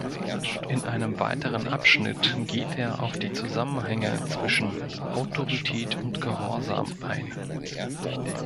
In einem weiteren Abschnitt geht er auf die Zusammenhänge zwischen „Autorität und Gehorsam“ ein.